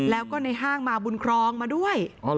แล้วก็ในห้างมาบุญครองมาด้วย